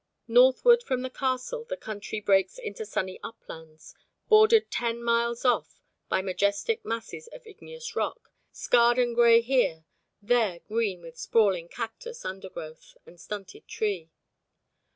Northward from the Castle the country breaks into sunny uplands bordered ten miles off by majestic masses of igneous rock, scarred and grey here, there green with sprawling cactus undergrowth and stunted tree.